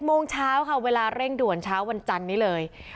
โมงเช้าค่ะเวลาเร่งด่วนเช้าวันจันนี้เลย